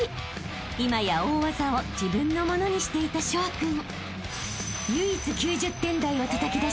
［今や大技を自分のものにしていた翔海君］